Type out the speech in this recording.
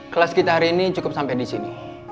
kelas kita hari ini cukup sampai disini